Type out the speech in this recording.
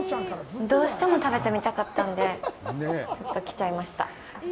どうしても食べてみたかったんでちょっと来ちゃいました。